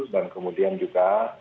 dan kemudian juga